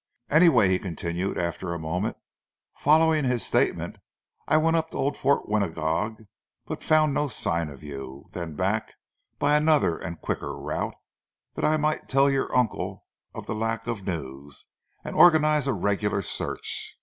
"Anyway," he continued after a moment, "following his statement, I went up to Old Fort Winagog, but found no sign of you, then back by another and a quicker route that I might tell your uncle of the lack of news, and organize a regular search.